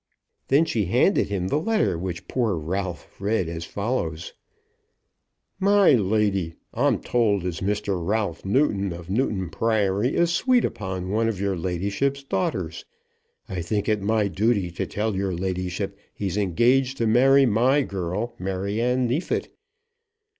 Then she handed him the letter, which poor Ralph read, as follows: MY LADY, I'm told as Mr. Ralph Newton, of Newton Priory, is sweet upon one of your ladyship's daughters. I think it my duty to tell your ladyship he's engaged to marry my girl, Maryanne Neefit.